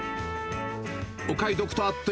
お買い得とあって、